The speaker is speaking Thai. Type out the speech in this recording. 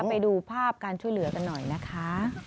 ไปดูภาพการช่วยเหลือกันหน่อยนะคะ